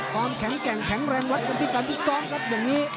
ความแข็งแกร่งแข็งแรงวัดกันที่การพิซ้อมครับอย่างนี้